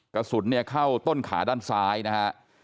กระสุนเนี่ยเข้าต้นขาด้านซ้ายนะฮะ